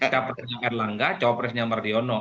capresnya erlangga capresnya marliono